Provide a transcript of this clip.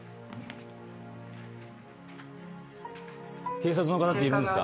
警察の方っているんですか？